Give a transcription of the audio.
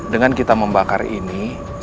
dengan kita membakar ini